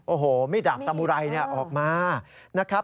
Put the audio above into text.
โอ้โฮมีดาบสมุไรนี่ออกมา